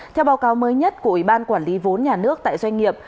theo báo cáo mới nhất của ủy ban quản lý vốn nhà nước tại doanh nghiệp